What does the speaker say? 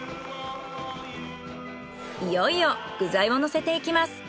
いよいよ具材をのせていきます。